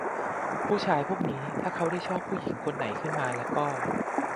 ผู้ชายพวกนี้ถ้าเขาได้ชอบผู้หญิงคนไหนขึ้นมาละก็